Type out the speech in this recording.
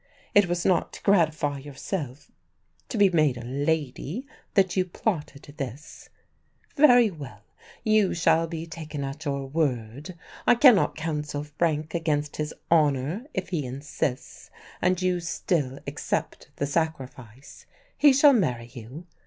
It was not to gratify yourself to be made a lady that you plotted this? Very well; you shall be taken at your word. I cannot counsel Frank against his honour; if he insists, and you still accept the sacrifice, he shall marry you.